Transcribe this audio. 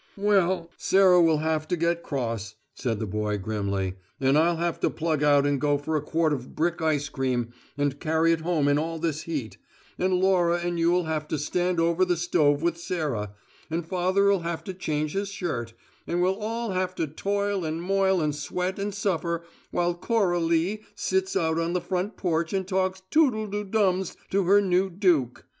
"Well, Sarah'll have to get cross," said the boy grimly; "and I'll have to plug out and go for a quart of brick ice cream and carry it home in all this heat; and Laura and you'll have to stand over the stove with Sarah; and father'll have to change his shirt; and we'll all have to toil and moil and sweat and suffer while Cora lee sits out on the front porch and talks toodle do dums to her new duke.